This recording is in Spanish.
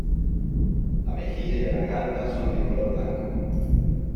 La mejilla y la garganta son de color blanco.